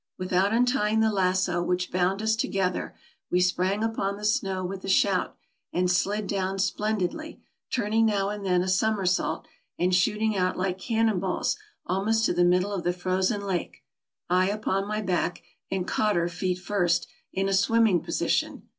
Without untying the lasso which bound us together, we sprang upon the snow with a shout, and slid down splen didly, turning now and then a somersault, and shooting out like cannon balls almost to the middle of the frozen lake; I upon my back, and Cotter feet first, in a swimming position.